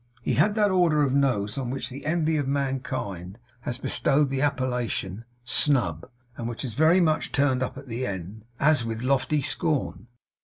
He had that order of nose on which the envy of mankind has bestowed the appellation 'snub,' and it was very much turned up at the end, as with a lofty scorn.